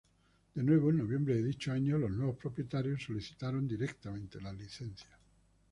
De nuevo en noviembre de dicho año, los nuevos propietarios solicitaron directamente la licencia.